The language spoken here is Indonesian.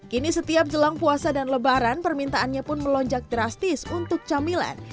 kini setiap jelang puasa dan lebaran permintaannya pun melonjak drastis untuk camilan